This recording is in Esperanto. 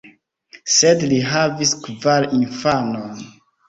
Sed li havis kvar infanon.